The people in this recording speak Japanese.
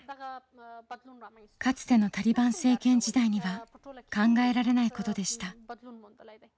かつてのタリバン政権時代には考えられないことでした。